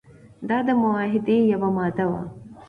دا د معاهدې یوه ماده وه.